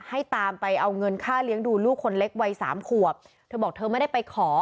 ให้ตามไปเอาเงินค่าเลี้ยงดูลูกคนเล็กวัยสามขวบเธอบอกเธอไม่ได้ไปขอ